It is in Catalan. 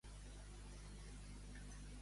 No hi ha tomb sense retomb.